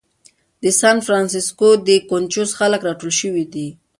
د سان فرانسیسکو دې کونچوز خلک راټول شوي دي.